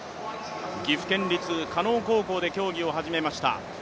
岐阜県立加納高校で競技を始めました。